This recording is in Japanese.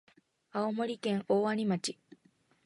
青森県大鰐町